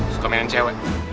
suka mainan cewek